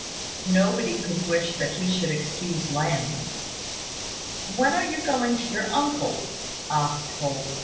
Nobody could wish that he should excuse Lamb's. "When are you going to your uncle's?" asked Holt.